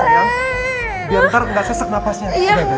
biar ntar gak sesek napasnya